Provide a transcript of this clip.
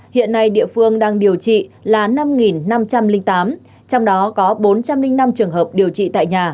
hiện nay địa phương đang điều trị là năm năm trăm linh tám trong đó có bốn trăm linh năm trường hợp điều trị tại nhà